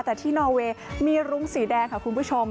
แต่ที่นอเวย์มีรุ้งสีแดงค่ะคุณผู้ชม